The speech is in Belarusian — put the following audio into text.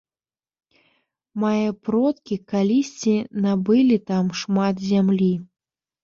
Мае продкі калісьці набылі там шмат зямлі.